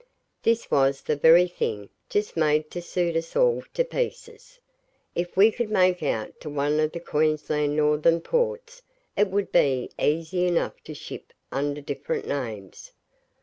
This was the very thing, just made to suit us all to pieces. If we could make out to one of the Queensland northern ports it would be easy enough to ship under different names.